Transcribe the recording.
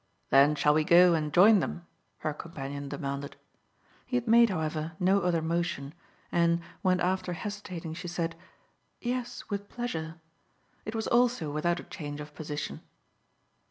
"Then shall we go and join them?" her companion demanded. He had made, however, no other motion, and when after hesitating she said "Yes, with pleasure" it was also without a change of position.